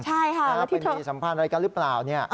ใช่ค่ะแล้วที่เธอถ้าไปมีสัมพันธ์อะไรกันหรือเปล่า